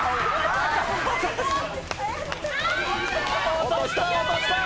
落とした落とした！